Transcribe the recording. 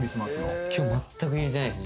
今日まったく入れてないです。